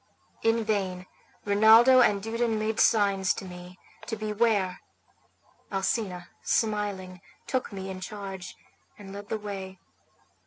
In vain Rinaldo and Dudon made signs to me to beware; Alcina, smiling, took me in charge, and led the way.